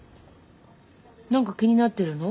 何か気になってるの？